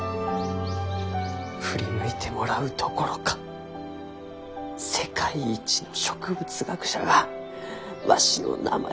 振り向いてもらうどころか世界一の植物学者がわしの名前を付けてくださったがじゃ。